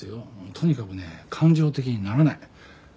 とにかくね感情的にならない。